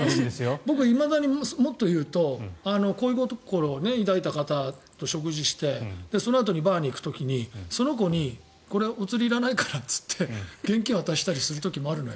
僕いまだに、もっと言うと恋心を抱いた方と食事をしてそのあとにバーに行く時にその子に俺はお釣りいらないからと言って現金を渡したりする時もあるのよ。